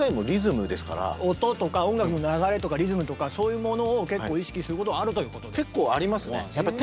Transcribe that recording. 音とか音楽の流れとかリズムとかそういうものを結構意識することはあるということ？